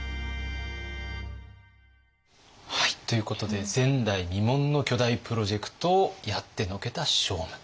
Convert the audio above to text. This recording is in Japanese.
はいということで前代未聞の巨大プロジェクトをやってのけた聖武。